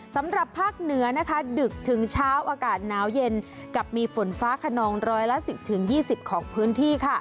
สำหรับภาคเหนือดึกถึงเช้าอากาศหนาวเย็นกับมีฝนฟ้าขนองร้อยละ๑๐๒๐ของพื้นที่